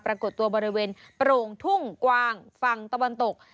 ปรากฏตัวบริเวณโปร่งทุ่งกว้างฝั่งตะวันตก